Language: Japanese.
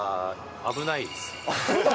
危ないですね。